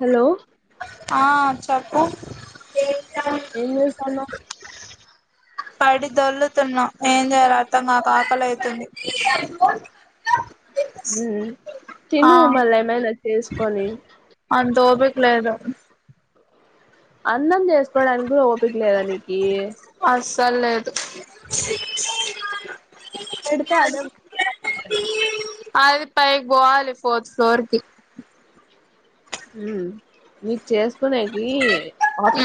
Hello ఆ చెప్పు ఏం చేస్తాన్నావ్ పడి దొల్లుతున్నా ఏం జేయాల నాకు ఆకలి అయితుంది మ్మ్ తిను మళ్ళా ఏమైనా చేసుకొని అంత ఓపిక లేదు అన్నం జేసుకోవడానికి ఓపిక లేదా నీకి దలేదు పేడితే అదే [unintelligible] అది పైకి పోవాలి ఫోర్త్ ఫ్లోర్ కి ఉమ్ నీకు చేసుకునేకి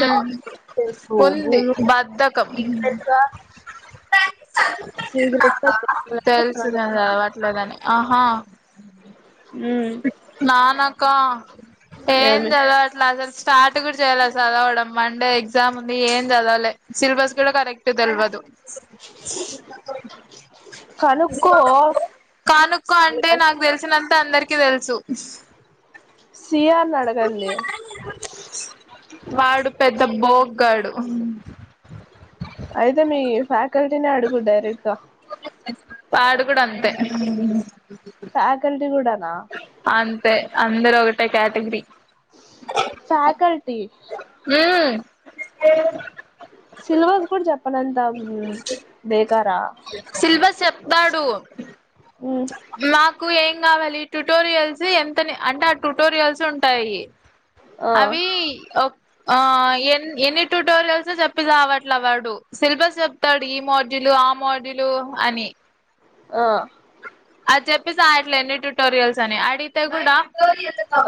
ఉమ్ ఉంది మేముగా బద్ధకం [unintelligible] తెలుసు నేను చదవట్లే అని ఆహా మ్మ్ నాన్నాకా ఏం ఏమి దెల్వట్లే అసలు స్టార్ట్ గూడా జేయాలే చదవడం మండే ఎగ్జామ్ ఉంది ఏం చదవలే సిలబస్ కూడా కరెక్ట్ దెల్వదు కనుక్కో కనుక్కోఅంటే నాకు దెలిసినంత అందరికి తెల్సు సిఆర్ ని అడగండి వాడు పెద్ద బోగ్గాడు ఫాకల్టీనే అడుగు డైరెక్ట్ గా వాడు కూడా అంతే ఫ్యాకల్టీ కూడానా పె అందరూ ఒకటె క్యాటగిరి ఫ్యాకల్టీ హ్మ్ సిలబస్ కూడా చెప్పనంత బెకరా సిలబస్ చెప్తాడు మ్మ్ మా కు ఏం కావాలి ట్యుటోరియల్స్ ఎంత అని అంటే ఆ ట్యుటోరియల్స్ ఉంటాయి ఆ అవి ఓ అ ఎన్ ఎన్ని ట్యూటోరియల్స్ చెప్పిసవట్ల వాడు సిలబస్ చెప్తాడు ఈ మాడ్యూల్ ఆ మాడ్యూల్ అని ఆ అది జెప్పిసవట్లే ఎన్ని ట్యూటోరియల్స్ అని అడిగితే కూడా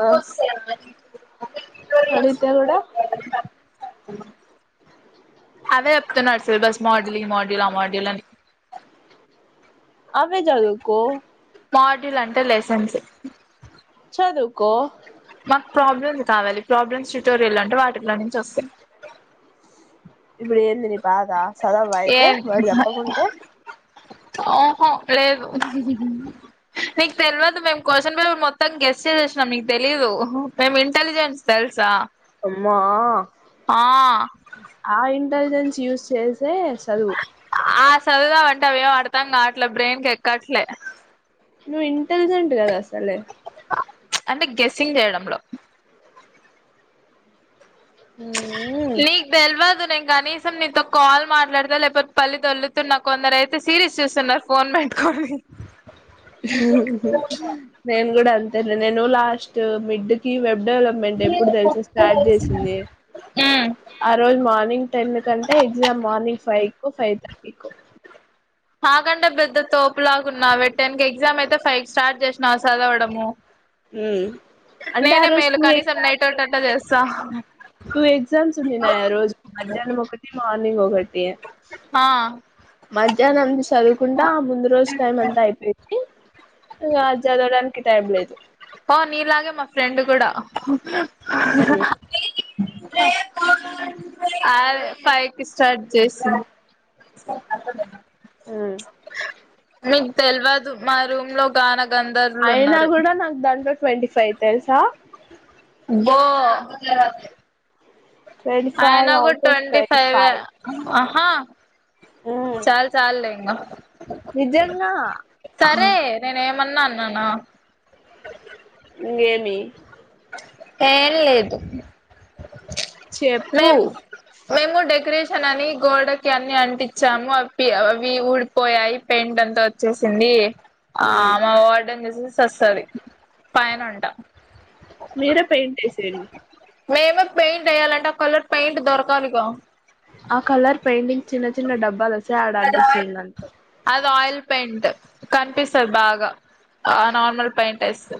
ఆ అడుగుతే కూడా అ అదే చెప్తున్నాడు సిలబస్ మాడ్యూల్ ఈ మాడ్యూల్ ఆ మాడ్యూల్ అని అవే చదువుకో మాడ్యూల్ అంటే లెసన్స్ చదువుకో మాకు ప్రాబ్లమ్స్ కావాలి ప్రాబ్లమ్స్ ట్యూటోరియల్ అంటే వా ఇప్పుడు ఏంది ని బాధ చదవా అయితే వాడు చెప్పకుంటే ఆహా లేదు మీకు తెల్వదు మేము క్వశ్చన్ పేపర్ మొత్తం గెస్ చేసేసినం మీకు తెలీదు మేము ఇంటెలిజెన్స్ తెల్ తెల్సు అమ్మా ఆ ఇంటలిజెన్స్ చూస్ చేసే సదువు ఆ సాధువుదామంటే అవి ఏం అర్ధం కట్లే బ్రెయిన్క్ ఎక్కట్లే నువ్ ఇంటలిజెట్ కదా అసలే అంటే గేసింగ్ చేయడంలో మ్మ్ నీకు దేల్వదు నే కనీసం నీతో కాల్ మాట్లాడతా లేకపోతే పల్లి దోల్లుతున్న కొందరైతే సీరిస్ చూస్తున్నారు ఫోన్ పెట్టుకొ [unintelligible] నేను కూడ అంతే నేను లాస్ట్ మిడ్కి వెబ్ డెవలప్మెంట్ ఎప్పుడు తెలుసా స్టార్ట్ చేసిందే ఆ రోజు మార్నింగ్ టెన్ కంటే ఎగ్జామ్ మార్నింగ్ ఫైవ్కొ ఫైథర్టీకొ ప్పులాగున్నావే టెన్కి ఎగ్జామ్ అయితే ఫైవ్ స్టార్ట్ చేసినా సదవడము హ్మ్ అంటే ఆ రోజు మేలు టూ కనీసం నైట్ ఎగ్జామ్స్ అవుట్ అట్లా ఉండే చేస్తా టూ ఎగ్జామ్స్ ఉనింనాయ్ ఆ రోజు మధ్యాహ్నం ఒకటి మార్ని నింగ్ ఒకటే ఆ మద్యహ్నంది చదువుకుంటా ముందు రోజు టైం అంతా అయిపోంది ఇంక అది చదవడానికి టైం లేదు పో నీలాగే మా ఫ్రెండ్ కూడా హాహాహా అద్ ఫైకి స్టార్ట్ చేసిన్ మీక్ తెల్వదు మా రూమ్ లో గానక్ అయినా కూడా నాకు దాంట్లో ట్వంటీ ఫై తెలుసా ఓ ట్వంటీ ఫైవ్ ఆయనగుడ్ అవుట్ ఆఫ్ ట్వంటీ ఫైవే ఫైవ్ ఆహా చాల్ చాల్లే ఇంకా నిజంగా సరే నేన్ ఏమన్నా అన్నానా ఇంగేమి ఏం లేదు చెప్పు మేమ్ మేం గుడ్ డెకరేష షన్ అని గోడకి అన్ని అంటించాము అపి అవి ఊడిపోయాయి పెయింట్ అంతా వచ్చేసింది. ఆ మా వార్డన్ స స సారీ పైనంట మీరే పెయింట్ ఎసేయండి మేమే పెయింట్ ఎయ్యాలంట కలర్ పెయింట్ దొరకాలిగా ఆ కలర్ పెయింటింగ్ చిన్నది చిన్న డబ్బాలొస్తే ఆడ అంటించిన అది ఆయిల్ పెయింట్ కనిపిస్తద్ బాగా ఆ నార్మల్ పెయింట్ ఏస్తే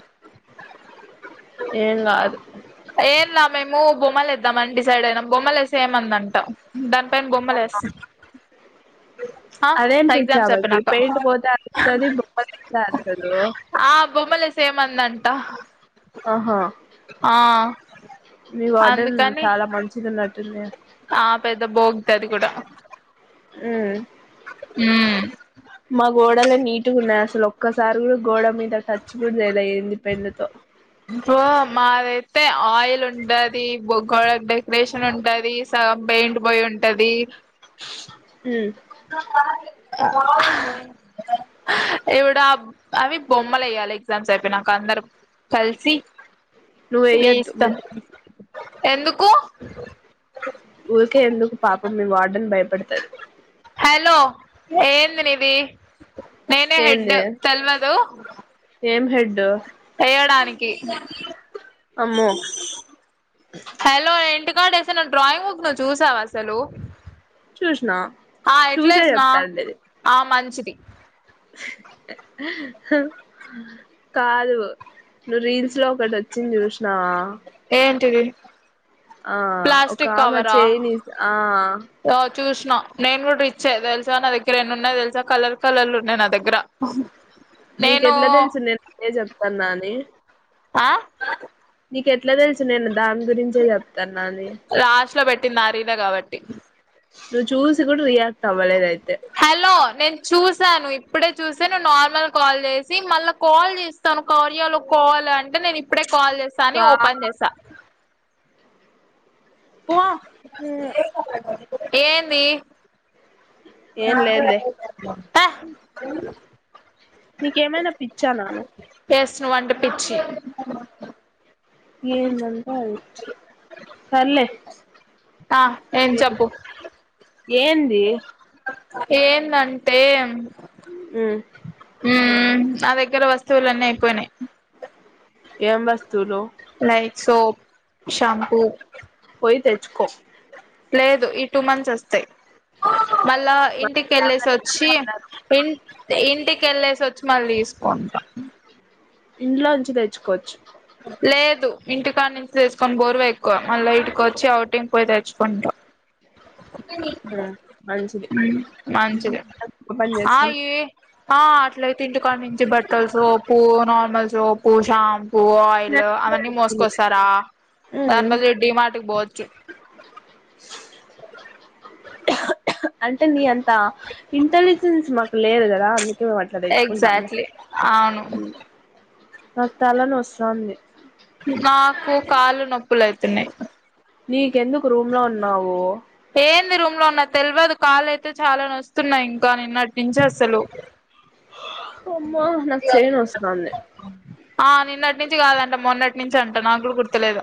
ఏం గాదు. ఏంలా మేము బొమ్మలేద్దాం అని డిసైడ్ అయినమ్ బొమ్మలేస్తే ఏమందంట దాన్ మేమ్ బొమ్మలేస్తాం అదేం పిచ్చామకి అయిపోయినాక పెయింట్ పోతే అరుస్తది బొమ్మల్ గిస్తే అరుసదు ఆ బొమ్మలేసేయిమందంట ఆహా మీ వార్డెన్ అందుకని చాలా మంచిదున్నట్టుందిగా ఆ పెద్ద బోగ్ది అది కూడా హ్ ఉమ్ మా గోడలే నీటిగున్నాయి అసలు ఒక్కసారి కూడా గోడ మీద టచ్ కూడా చేయాలే ఏంది పెన్నుతో హొ మాదైతే ఆయిల్ ఉంటది బో గోడంతే రేషన్ ఉంటది సగం పెయింట్ బోయుంటది. ఉమ్ [inaudible] ఎవిడా అవి బొమ్మలెయ్యాలె ఎగ్జామ్స్ అయిపోయినంక అందరం కల్సి నువ్వు వేయద్దు మీ వేస్తాం కి. ఎందుక్ ఊర్కే ఎందుకు పాపం మీ వార్డన్ భయపడతరు. హలో ఏంది నీది నేనే హెడ్ ఏంది తెల్వదు. ఏం హెడ్ ఏయడానికి అమ్మో హలో ఏంటి [unintelligible] నా డ్రాయింగ్ బుక్ నువ్ చూసావా అసలు చూసినా ఆ చూసే ఎట్లేసినా చెప్తాండేది ఆ మంచిది. కాదు. నువ్వు రీల్స్లో ఒకట్ వచ్చింది చూస్నావా ఏంటిది. ఒక ప్లాస్టిక్ ఆమె కవరా చేయిని ఆ చూస్ న నేన్ గుడా రిచ్చే తెల్సా నా దగ్గర ఎన్ని ఉన్నయ్ తెల్సా కలర్ కలర్లున్నాయ్ నా దగ్గర నేను నీకెట్లా తెల్సు నేను అదే చెప్తాన్నా అని ఆ నీకెట్ల తెల్సు నేను దాని గురించే చెప్తాన్న అని లాస్ట్ లో పెట్టింది ఆ రీలే కాబట్టి నువ్ చూసి గుడ రియాక్ట్ అవ్వలేదయి హలో నేన్ చూసాను ఇప్పుడే చూస్తే ను నార్మల్ కాల్ చేసి మళ్ళ కాల్ చేస్తాను కార్యాలో కాల్ అంటే నేన్ ఇప్పుడే కాల్ చేస్తా అని బా ఓపెన్ చేసా పో ఉమ్, ఏంది? ఏం లేదులే [inaudible] నీకేమైనా పిచ్చా నాను ఎస్ నువ్వంటే పిచ్చి ఏందంత అదిచ్చే ఆ ఏంది చెప్పు ఏంది ఏందంటే ఉమ్ ఉమ్ నా దగ్గర వస్తువులన్నీ అయిపోయినాయ్ ఏం వస్తువులు లైక్ సోప్ శాంపూ పోయి తెచ్చుకో లేదు ఈ టూ మంత్స్ అస్తాయి మళ్ళా ఇంటికి వెళ్ళేసి వచ్చి ఇన్ ఇంటికి వెళ్ళేసి వచ్చి చ్చి మల్ తీసుకుంటా ఇంట్లో నుంచి తెచ్చుకోవచ్చు లేదు ఇంటికా నుంచి తెసుకొని బోరువ ఎక్కువ మళ్ళా ఇటుకచ్చి అవుట్ంగ్ పోయి తెచ్చుకుంటా అ ఉమ్ మంచిది మనం ఒక పని ఆ చేస్తాం ఈ ఆ అట్లయితే ఇంటి కానుంచి బట్టల్ సోపు నార్మల్ సోపు షాం పూ ఆయిల్ అవన్నీ మోసుకొస్తారా దాని ఉమ్ బదులు ఇ డి మార్ట్ కి పోవ చ్చు అంటే నీ అంత ఇంటలిజెన్స్ మాకు లేదు కదా అం మేము అట్లా తెచ్చుకుంటాము ఎగ్జాక్ట్లీ అవును నాకు తల నొస్తంది నాకు కాళ్లు నొప్పులు అయితున్నాయి నీకెందుకు రూమ్ లో ఉన్నావు ఏంది రూమ్ లో ఉన్న తెలవదు కాళ్ళ అయితే చాలా నొస్తున్నాయి ఇంకాని నిన్నటించసలు అమ్మా నాకు చేయి నొస్తంది నించి గాదంట మొన్నటి నించి అంట నాగూడ గుర్తులేదు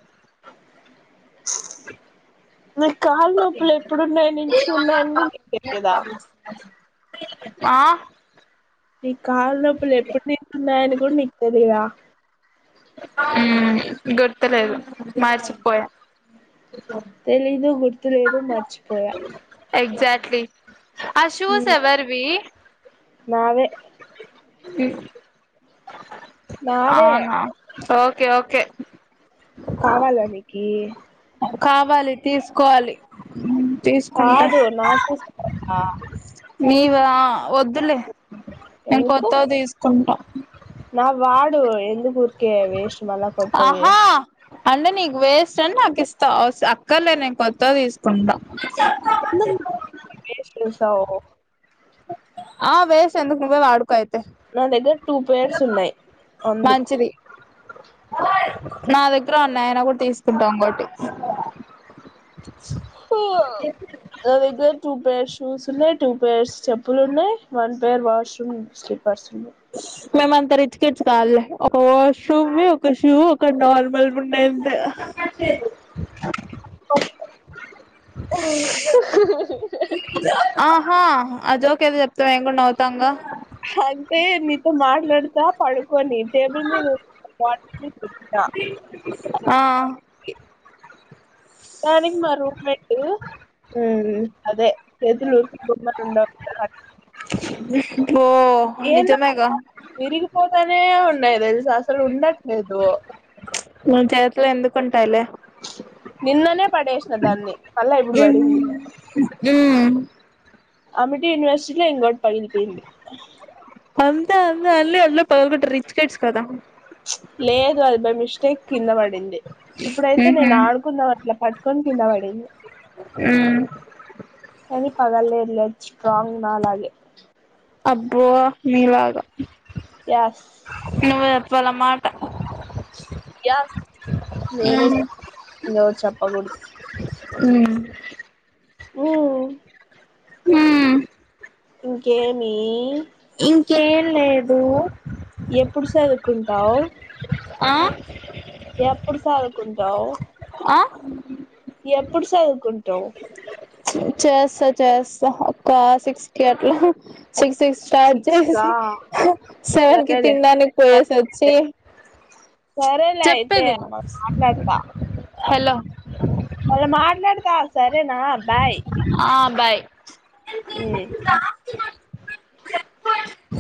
నాకు కాళ్ళ నొప్పులు ఎప్పుడున్నాయి నించున్నాయని కూడా నీకు తెలియదా [inaudible] ఆ నీ కాల్ నొప్పులు ఎప్పుడు నించి ఉన్నాయని కూడా నీకు తెలిదా ఊమ్ గుర్తలేదు మర్చిపోయా తెలీదు గుర్తులేదు మర్చిపోయా ఎక్జాక్ట్లీ ఆ షూస్ హ్మ్. ఎవర్వి నావే నావే అవునా ఓకే ఓకే కావాలా నీకి కావాలి తీసుకోవాలి ఊమ్ తీసుకుంటా కాదు నా షూస్ కావాలా నీవా వద్దులే నేన్ ఎందుకు కొత్తవి తీసుకుంటా దు ఎందు ఊర్కే వేస్ట్ మళ్ల కొత్తవి ఆహా అంటే నీకు వేస్ట్ అని నాకు ఇస్తా అక్కర్లే నేను కొత్త తీసుకుంటా [unintelligible] తవ్ ఆ వేస్ట్ ఎందుకు నువ్వే వాడుకో ఐ నా దగ్గర టూ పేయిర్స్ ఉన్నాయి అందుకు మంచిది నా దగ్గర ఉన్నాయ్ అయినా గూడ్ తీసుకుంటా ఇంగోటి అ నాదగ్గర టూ పెష్ షూస్ ఉన్నాయి టూ పేర్స్ చెప్పులు ఉన్నాయి వన్ పేర్ వాష్రూమ్ స్లిపర్స్ ఉన్నాయి మేమంత రిచ్ కిడ్స్ కాదులే ఒక వాష్రూమ్ ఒక షూ ఒక నార్మల్ ఉన్నయ్ అంతే [unintelligible] ఆహా ఆహా ఆ జోక్ ఏదో చెప్తే మేం కూడా నవ్వుతాం గా ఆ అంటే నీతో మాట్లాడతా పడుకోని టేబుల్ మీద వాటిని కుట్ట ఆ దానికి మా రూమ్మేట్టు ఊమ్ అదే చేతులు ఊరికే గమ్మున ఉండవ్ కదా అది ఓ నిజమేగా ఏందోనబ్బా విరిగిపోతానే ఉన్నాయి తెల్ అసలు ఉండట్లేదు మన చేతిలో ఎందుకుంటాయిలే నిన్ననే పడేసిన దాన్ని మళ్లా ఇప్పుడు పడింది ఉమ్ అమిటి యూనివర్సిటీలో ఇంగోటి పగిలిపోయింది అందా అంద అల్ అ పలు కు్ర [unintelligible] ప్చ్ లేదు అది బై మిస్టేక్ కింద పడి డింది ఇప్పుడైతే ఉహు నేను ఆడుకుందామ్ అట్లా పట్టుకొని కింద పడింది ఊమ్ కానీ పగలలేదు స్ట్రాంగ్ [unintelligible] [inaudible] అబ్బో మీలాగా యాస్ నువ్వే చెప్పాలా ఆ మాట యాస్ నేనే చెప్పాలి ఇంగ ఎవరు చెప్పగూడదు ఊమ్ ఉమ్ ఊమ్ ఇంకేమీ ఇంకేం లేదు ఎప్పుడు చదువుకుంటావు ఆ యెప్పుడు సదువుకుంటావ్ ఆ ఎప్పుడు సదువుకుంటావు చేస్స చేస్స ఒక సిక్స్ అట్ల అట్లా సిక్స్ సిక్స్ స్టార్ట్ సిక్స్ కా చేసి సెవెన్ కి సరేలే తినడానికి పోయేస్త తెచ్చి అయితే. సరేలే అయితే చెప్పేది విను మళ్ళీ హలో మళ్ళా మాట్లాడతా సరేనా బాయ్ ఆ బాయ్ [inaudible]